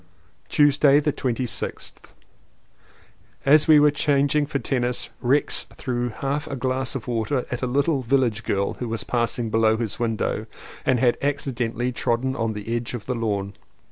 Tuesday the 26th. As we were changing for tennis Rex threw half a glass of water at a little village girl who was passing below his window and had accidentally trodden on the edge of the lawn.